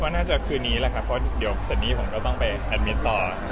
น่าจะคืนนี้แหละครับเพราะเดี๋ยวเซนนี่ผมก็ต้องไปแอดมิตรต่อ